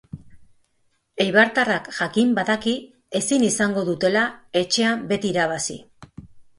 Eibartarrak jakin badaki ezin izango dutela etxean beti irabazi.